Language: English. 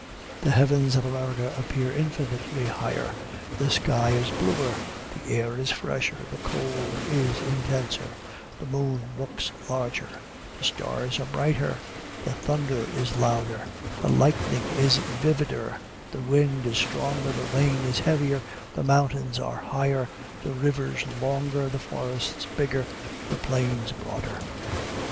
The heavens of America appear infinitely higher, the sky is bluer, the air is fresher, the cold is intenser, the moon looks larger, the stars are brighter, the thunder is louder, the lightning is vivider, the wind is stronger, the rain is heavier, the mountains are higher, the rivers longer, the forests bigger, the plains broader."